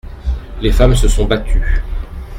Les femmes se sont battues.